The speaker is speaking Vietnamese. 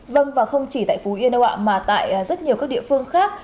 vâng và không chỉ tại phú yên ạ mà tại rất nhiều các địa phương khác